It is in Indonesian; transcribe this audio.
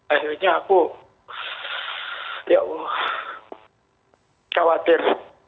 akhirnya aku ya allah khawatir